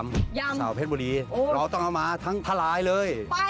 สาวเพชรบุรีเราต้องเอามาทั้งทลายเลย